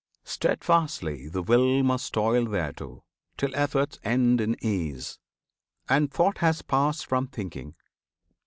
Steadfastly the will Must toil thereto, till efforts end in ease, And thought has passed from thinking.